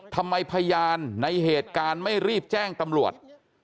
พยานในเหตุการณ์ไม่รีบแจ้งตำรวจ